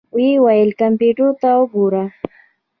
ويې ويل کمپيوټر ته وګوره.